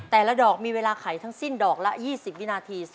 แต่ละดอกมีเวลาไขทั้งสิ้นดอกละ๒๐วินาที